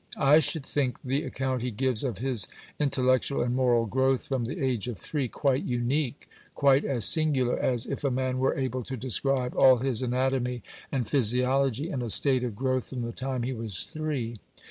I should think the account he gives of his intellectual and moral growth from the age of three quite unique: quite as singular as if a man were able to describe all his anatomy and physiology in a state of growth from the time he was three.